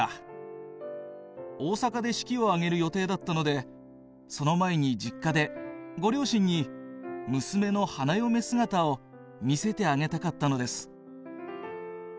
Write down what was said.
大阪で式をあげる予定だったので、その前に実家でご両親に娘の花嫁姿を見せてあげたかったのです」。